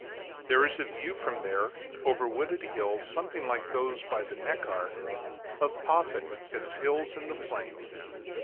There is a view from there (over wooded hills, something like those by the Neckar) of Ofen, its hills, and the plain.